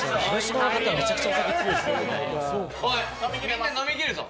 みんな飲みきるぞ。